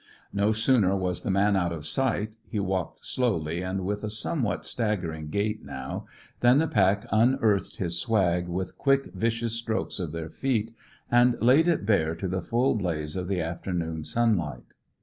No sooner was the man out of sight he walked slowly and with a somewhat staggering gait now than the pack unearthed his swag with quick, vicious strokes of their feet, and laid it bare to the full blaze of the afternoon sunlight.